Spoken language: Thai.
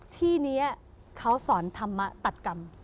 ที่นี้เขาสอนธรรมตัดกรรม